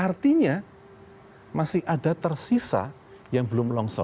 artinya masih ada tersisa yang belum longsor